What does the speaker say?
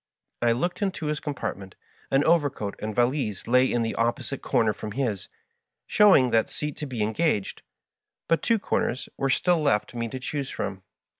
I looked into his compartment ; an overcoat and valise lay in the opposite comer from his, showing that seat to be engaged, but two comers were stfll left me to choose from.